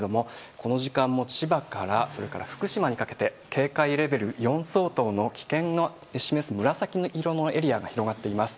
この時間も千葉から福島にかけて警戒レベル４相当の危険を示す紫色のエリアが広がっています。